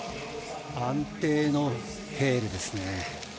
安定のヘールですね。